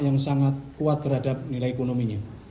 yang sangat kuat terhadap nilai ekonominya